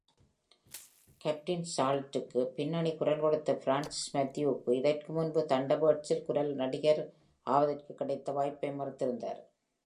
Captain Scarlet-க்கு பின்னணி குரல் கொடுத்த Francis Matthews இதற்கு முன்பு “Thunderbirds’’-ல் குரல் நடிகர் ஆவதற்குக் கிடைத்த வாய்ப்பை மறுத்திருந்தார்.